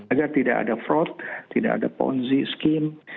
agar tidak ada fraud tidak ada ponzi scheme